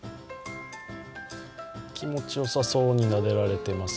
気持ちよさそうになでられてます。